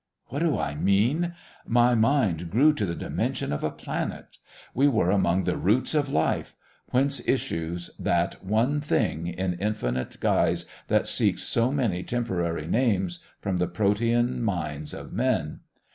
What do I mean? My mind grew to the dimensions of a planet. We were among the roots of life whence issues that one thing in infinite guise that seeks so many temporary names from the protean minds of men.